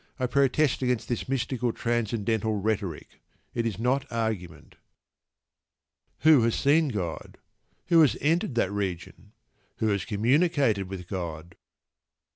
I protest against this mystical, transcendental rhetoric. It is not argument. Who has seen God? Who has entered that "region"? Who has communicated with God?